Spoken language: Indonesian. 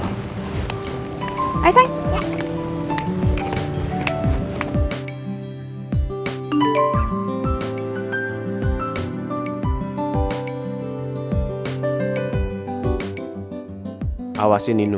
pada kesempatan william juga penato